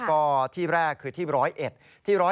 ก็ที่แรกคือที่๑๐๑